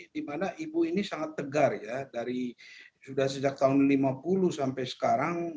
dimana ibu ini sangat tegar ya dari sudah sejak tahun lima puluh sampai sekarang